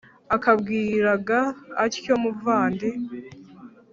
akabwiraga atyo muvandi